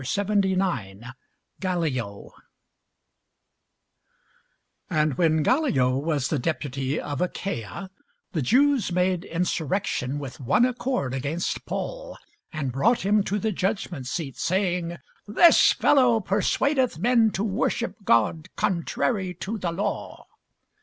CHAPTER 79 GALLIO AND when Gallio was the deputy of Achaia, the Jews made insurrection with one accord against Paul, and brought him to the judgment seat, saying, This fellow persuadeth men to worship God contrary to the law.